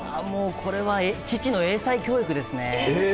これは父の英才教育ですね。